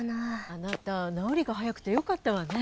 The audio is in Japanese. あなたなおりがはやくてよかったわね。